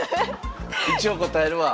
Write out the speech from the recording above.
一応答えるわ。